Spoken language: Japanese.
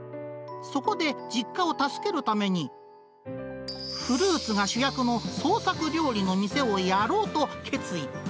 そこで実家を助けるために、フルーツが主役の創作料理の店をやろうと決意。